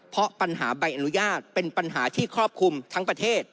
เพราะปัญหาใบอนุญาตเป็นปัญหาที่ครอบคลุมทั้งประเทศ